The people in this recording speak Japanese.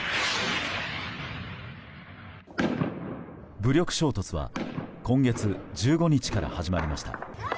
武力衝突は今月１５日から始まりました。